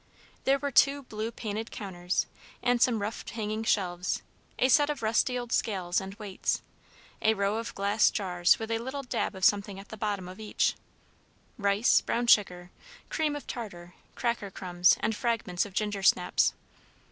There were two blue painted counters and some rough hanging shelves, a set of rusty old scales and weights, a row of glass jars with a little dab of something at the bottom of each, rice, brown sugar, cream of tartar, cracker crumbs, and fragments of ginger snaps.